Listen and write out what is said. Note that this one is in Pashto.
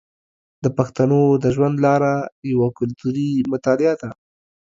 د پښتنو د ژوند لاره یوه کلتوري مطالعه ده.